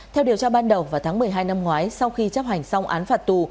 theo điều tra ban đầu vào tháng một mươi hai năm ngoái sau khi chấp hành xong án phạt tù